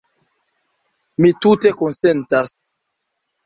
Mi tute konsentas.